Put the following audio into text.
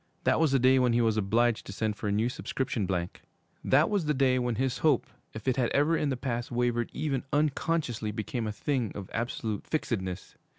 That was the day when he was obliged to send for a new subscription blank. That was the day when his hope, if it had ever in the past wavered even unconsciously, became a thing of absolute fixedness.